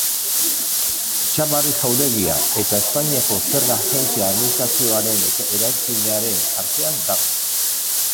Txabarri jauregia eta Espainiako Zerga Agentzia Administrazioaren eraikinaren artean dago.